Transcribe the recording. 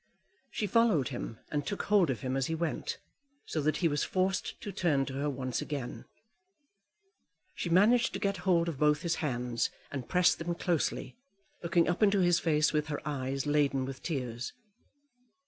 She followed him and took hold of him as he went, so that he was forced to turn to her once again. She managed to get hold of both his hands, and pressed them closely, looking up into his face with her eyes laden with tears.